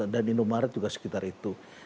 dan indomaret juga sekitar itu